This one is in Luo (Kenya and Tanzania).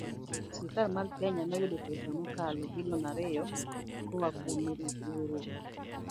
Sirkal mar Kenya noyudo pesa mokalo bilion ariyo koa kuom riwruok